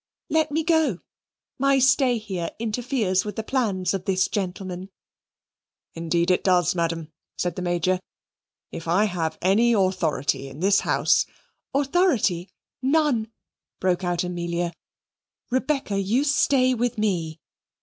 Let me go: my stay here interferes with the plans of this gentleman." "Indeed it does, madam," said the Major. "If I have any authority in this house " "Authority, none!" broke out Amelia "Rebecca, you stay with me.